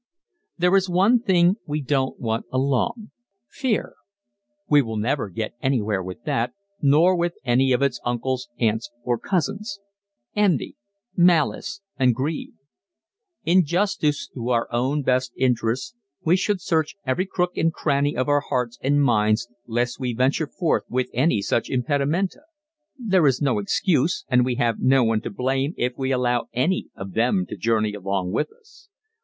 There is one thing we don't want along fear. We will never get anywhere with that, nor with any of its uncles, aunts or cousins Envy, Malice and Greed. In justice to our own best interests we should search every crook and cranny of our hearts and minds lest we venture forth with any such impedimenta. There is no excuse, and we have no one to blame if we allow any of them to journey along with us.